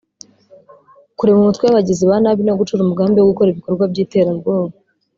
kurema umutwe w’abagizi ba nabi no gucura umugambi wo gukora ibikorwa by’iterabwoba